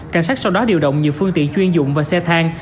cảnh sát sau đó điều động nhiều phương tiện chuyên dụng và xe thang